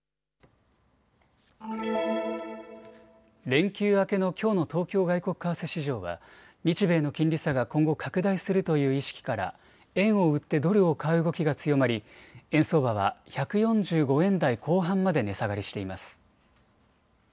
連休明けのきょうの東京外国為替市場は日米の金利差が今後、拡大するという意識から円を売ってドルを買う動きが強まり円相場は１４５円台後半まで値下がりしています。